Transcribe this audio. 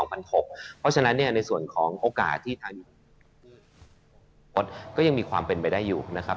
เพราะฉะนั้นเนี่ยในส่วนของโอกาสที่ทางโค้ดก็ยังมีความเป็นไปได้อยู่นะครับ